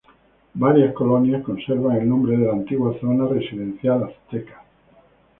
Varias colonias conservan el nombre de la antigua zona residencial azteca.